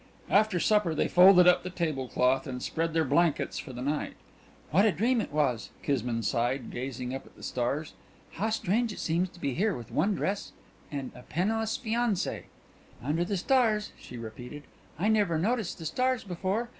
After supper they folded up the table cloth and spread their blankets for the night. "What a dream it was," Kismine sighed, gazing up at the stars. "How strange it seems to be here with one dress and a penniless fiancée! "Under the stars," she repeated. "I never noticed the stars before.